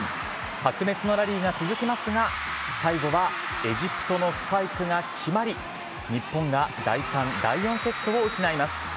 白熱のラリーが続きますが、最後はエジプトのスパイクが決まり、日本が第３、第４セットを失います。